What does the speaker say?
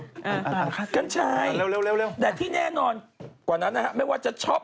เออค่ะกันใช่แต่ที่แน่นอนกว่านั้นนะฮะไม่ว่าจะช็อป